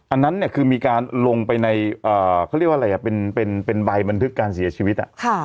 อันนั้นเนี่ยคือมีการลงไปในเขาเรียกว่าอะไรเป็นใบบันทึกการเสียชีวิต